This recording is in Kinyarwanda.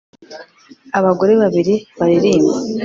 Abagore babiri baririmba